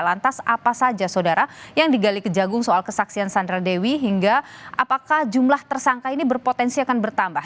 lantas apa saja saudara yang digali kejagung soal kesaksian sandra dewi hingga apakah jumlah tersangka ini berpotensi akan bertambah